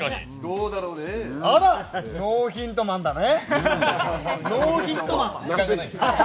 あら、ノーヒントマンだね。